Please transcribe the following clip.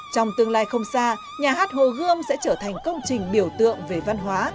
trong tương lai không xa nhà hát hồ gươm sẽ trở thành công trình biểu tượng về văn hóa